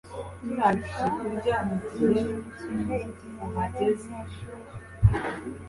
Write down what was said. iyi shusho inyibukije igihe nari umunyeshuri